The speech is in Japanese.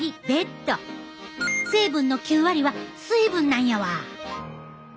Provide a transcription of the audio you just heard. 成分の９割は水分なんやわ。